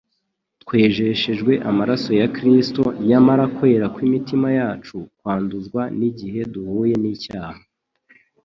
twejeshejwe amaraso ya Kristo; nyamara kwera kw'imitima yacu kwanduzwa n'igihe duhuye n'icyaha.